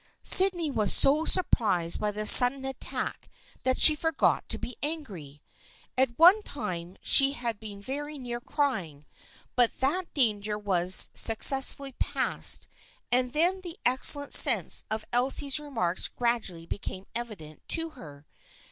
Sydney was so surprised by this sudden attack that she forgot to be angry. At one time she had THE FRIENDSHIP OF ANNE 145 been very near crying, but that danger was success fully passed and then the excellent sense of Elsie's remarks gradually became evident to her.